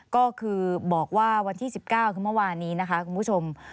ก็คือบอกว่าวันที่๑๙คือเมื่อวานนี้นะคะคุณผู้ชม